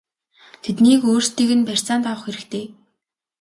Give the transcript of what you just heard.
Тэднийг өөрсдийг нь барьцаанд авах хэрэгтэй!!!